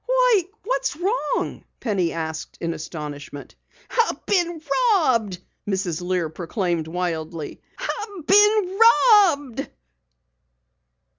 "Why, what's wrong?" Penny asked in astonishment. "I've been robbed!" Mrs. Lear proclaimed wildly. "I've been robbed!"